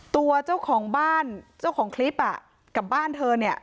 ตัวเจ้าของบ้านเจ้าของคลิปอ่ะกับบ้านเธอเนี่ย